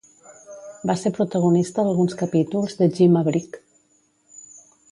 Va ser protagonista d'alguns capítols de Gimme A Break!